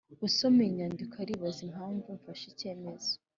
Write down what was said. Usoma iyi nyandiko aribaza impamvu mfashe icyemezo